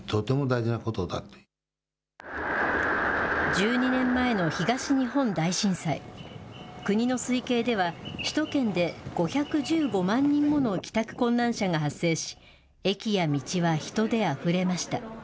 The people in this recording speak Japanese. １２年前の東日本大震災、国の推計では、首都圏で５１５万人もの帰宅困難者が発生し、駅や道は人であふれました。